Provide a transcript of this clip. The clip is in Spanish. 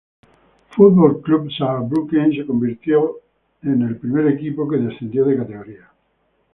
Fußball-Club Saarbrücken se convirtieron en ser los primeros equipos que descenderían de categoría.